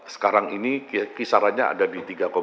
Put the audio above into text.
sekarang ini kisarannya ada di tiga tujuh